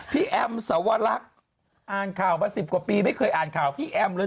แอมสวรรคอ่านข่าวมา๑๐กว่าปีไม่เคยอ่านข่าวพี่แอมเลย